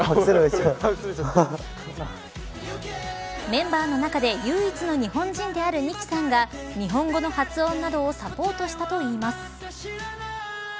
メンバーの中で唯一の日本人であるニキさんが日本語の発音などをサポートしたといいます。